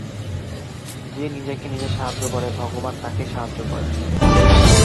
যে নিজেকে নিজে সাহায্য করে, ভগবান তাকেই সাহায্য করেন।